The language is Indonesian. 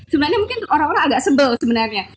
sebenarnya mungkin orang orang agak sebel sebenarnya